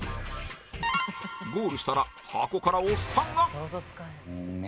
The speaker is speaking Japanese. ゴールしたら箱からオッサンが！